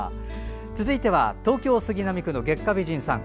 続いては東京・杉並区の月下美人さん。